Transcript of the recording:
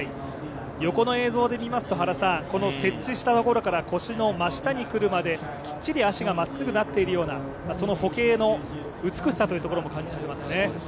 横の映像で見ますと、この設置したところから腰の真下に来るまできっちり足がなってるようなその歩型の美しさというところも感じさせますね。